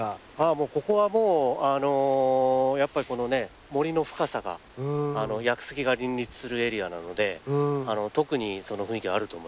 ここはもうやっぱりこのね森の深さが屋久杉が林立するエリアなので特にその雰囲気があると思います。